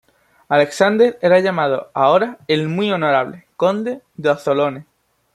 Alexander era llamado ahora" el Muy Honorable" Conde de Athlone.